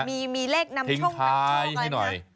มีเลขนำโชคกันช่วงกันครับทิ้งท้ายให้หน่อย